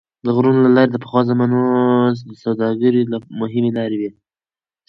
د غرونو لارې د پخوا زمانو د سوداګرۍ مهمې لارې وې.